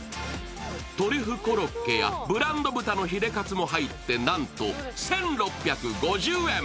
トリュフコロッケや、ブランド豚のヒレかつも入って、なんと１６５０円。